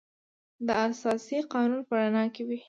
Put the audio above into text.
دا د اساسي قانون په رڼا کې وي.